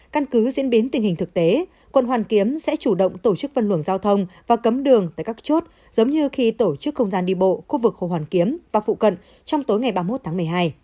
căn cứ diễn biến tình hình thực tế quận hoàn kiếm sẽ chủ động tổ chức văn luồng giao thông và cấm đường tại các chốt giống như khi tổ chức không gian đi bộ khu vực hồ hoàn kiếm và phụ cận trong tối ngày ba mươi một tháng một mươi hai